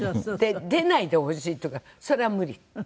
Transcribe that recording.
「出ないでほしい」って言うから「それは無理」って。